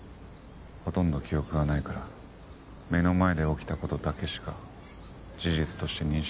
ほとんど記憶がないから目の前で起きた事だけしか事実として認識できない。